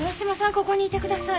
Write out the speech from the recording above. ここにいてください。